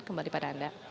kembali pada anda